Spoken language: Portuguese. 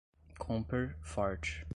Comper, Fort